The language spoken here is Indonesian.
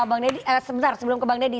bang deddy sebentar sebelum ke bang deddy